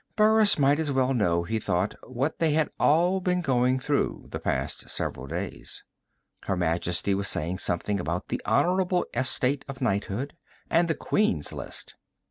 Burris might as well know, he thought, what they had all been going through the past several days. Her Majesty was saying something about the honorable estate of knighthood, and the Queen's List.